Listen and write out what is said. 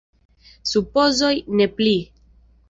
Supozoj, ne pli.